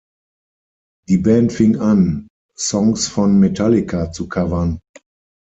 Die Band fing an, Songs von Metallica zu covern.